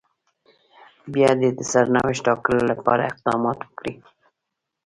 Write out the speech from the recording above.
بيا دې د سرنوشت ټاکلو لپاره اقدامات وکړي.